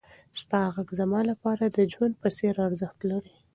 ستا غږ زما لپاره د ژوند په څېر ارزښت لري.